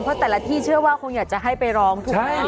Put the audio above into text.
เพราะแต่ละที่เชื่อว่าคงอยากจะให้ไปร้องถูกไหม